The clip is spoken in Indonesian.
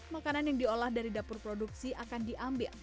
makanan yang diolah dari dapur produksi akan diambil